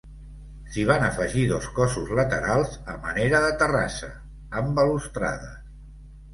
S'hi van afegir dos cossos laterals a manera de terrassa, amb balustrades.